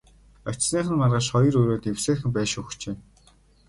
Очсоных нь маргааш хоёр өрөө эвсээрхэн байшин өгчээ.